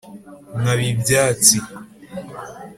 nkaba ibyatsi